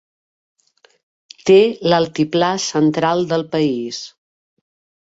Té l'altiplà central del país.